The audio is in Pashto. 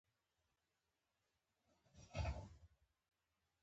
جګر په اونیو بیا جوړېږي.